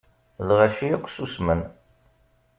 Lɣaci akk susmen.